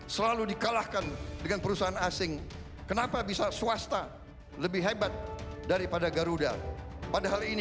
selalu dikalahkan dengan perusahaan asing kenapa bisa swasta lebih hebat daripada garuda padahal ini